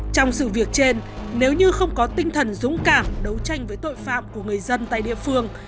trong sự việc trên nếu như không có tinh thần dũng cảm đấu tranh với tội phạm của người dân tại địa phương